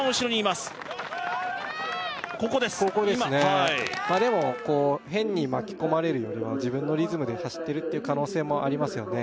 まっでも変に巻き込まれるよりは自分のリズムで走ってるっていう可能性もありますよね